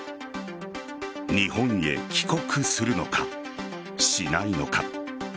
日本へ帰国するのか、しないのか。